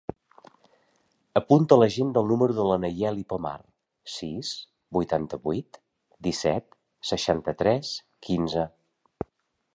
Apunta a l'agenda el número de la Nayeli Pomar: sis, vuitanta-vuit, disset, seixanta-tres, quinze.